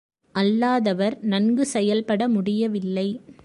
அல்லாதவர் நன்கு செயல்பட முடியவில்லை.